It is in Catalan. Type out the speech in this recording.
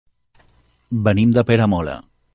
Venim de Peramola.